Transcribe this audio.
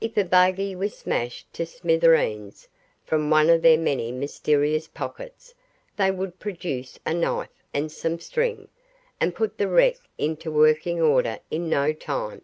If a buggy was smashed to smithereens, from one of their many mysterious pockets they would produce a knife and some string, and put the wreck into working order in no time.